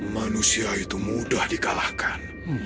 manusia itu mudah dikalahkan